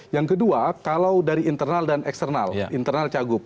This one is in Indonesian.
yang kedua kalau dari internal dan eksternal internal cagup